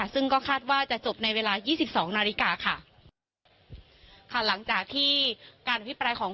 ซึ่งก็คาดว่าจะจบในเวลายี่สิบสองนาฬิกาค่ะค่ะหลังจากที่การอภิปรายของ